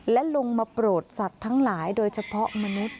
และลงมาโปรดสัตว์ทั้งหลายโดยเฉพาะมนุษย์